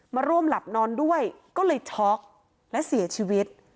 มาร่วมหลับนอนด้วยก็เลยช็อกและเสียชีวิต